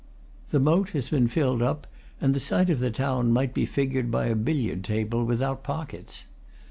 The moat has been filled up, and the site of the town might be figured by a billiard table without pockets.